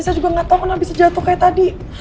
saya juga gak tau mana bisa jatuh kayak tadi